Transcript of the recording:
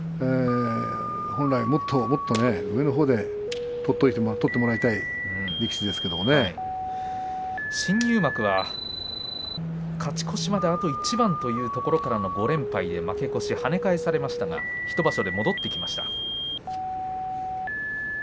本来、もっともっと上のほうで取ってもらいたい力士ですけれども新入幕は勝ち越しまであと一番というところからの５連敗で負け越し、跳ね返されましたが１場所で戻ってきました。